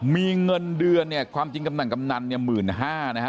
มีเงินเดือนเนี่ยความจริงกำนัน๑๕๐๐๐นะฮะ